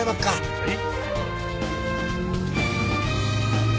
はい。